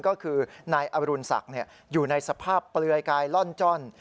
ก็คือนายอรุณศักดิ์อยู่ในสภาพเปลือยกายล่อนจ้อน